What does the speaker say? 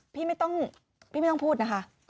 ๕พี่ไม่ต้องพูดนะคะ